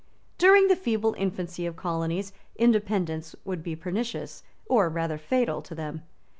During the feeble infancy of colonies independence would be pernicious, or rather fatal, to them.